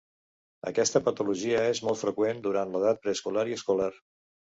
Aquesta patologia és molt freqüent durant l'edat preescolar i escolar.